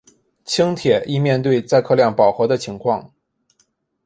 轻铁亦面对载客量饱和的情况。